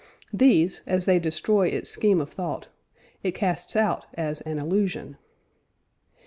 These, as they destroy its scheme of thought, it casts out as an illusion.